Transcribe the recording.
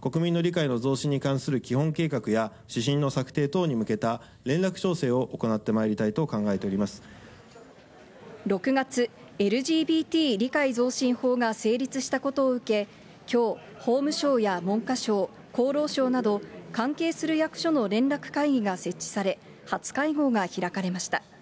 国民の理解の増進に関する基本計画や、指針の策定等に向けた連絡調整を行ってま６月、ＬＧＢＴ理解増進法が成立したことを受け、きょう、法務省や文科省、厚労省など、関係する役所の連絡会議が設置され、初会合が開かれました。